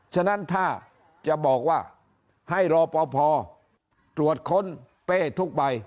ฉะนั้นถ้าจะบอกว่าให้รอปภตรวจค้นเป้ทุกใบ